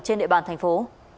trên địa bàn thành phố